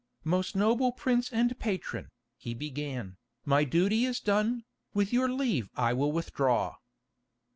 "Most noble prince and patron," he began, "my duty is done, with your leave I will withdraw."